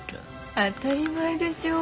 当たり前でしょ。